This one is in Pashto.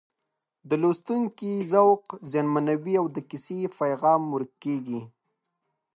د لوستونکي ذوق زیانمنوي او د کیسې پیغام ورک کېږي